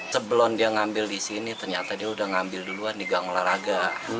sebelum dia ngambil di sini ternyata dia udah ngambil duluan di gang olahraga